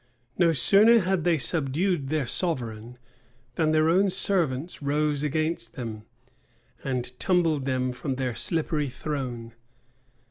No sooner had they subdued their sovereign, than their own servants rose against them, and tumbled them from their slippery throne.